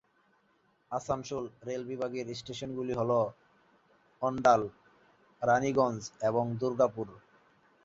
Asansol rail বিভাগের স্টেশনগুলি হল অণ্ডাল, রাণীগঞ্জ এবং দুর্গাপুর।